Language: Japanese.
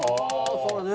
そうね。